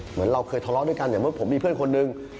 เหมือนเราเคยทะเลาะด้วยกันอย่างเมื่อผมมีเพื่อนคนหนึ่ง